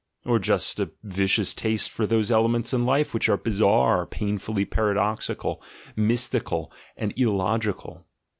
or just a vicious taste for se elements of life which are bizarre, painfully para doxical, mystical, and illogical?